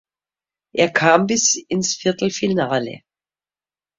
Er kam bis ins Viertelfinale.